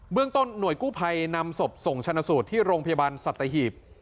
เมืองต้นหน่วยกู้ภัยนำศพส่งชนะสูตรที่โรงพยาบาลสัตหีบ